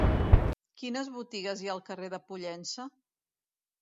Quines botigues hi ha al carrer de Pollença?